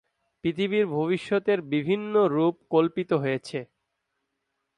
পৃথিবীর ভবিষ্যতের বিভিন্ন রূপ কল্পিত হয়েছে।